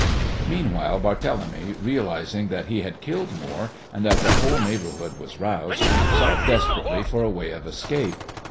Meanwhile Barthélemy, realizing that he had killed Moore, and that the whole neighbourhood was roused, sought desperately for a way of escape.